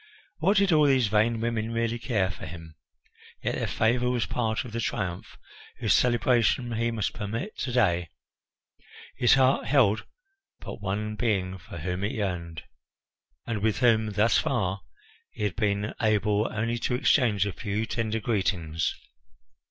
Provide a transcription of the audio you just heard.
What did all these vain women really care for him? Yet their favour was part of the triumph whose celebration he must permit to day. His heart held but one being for whom it yearned, and with whom thus far he had been able only to exchange a few tender greetings.